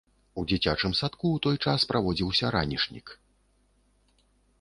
У дзіцячым садку ў той час праводзіўся ранішнік.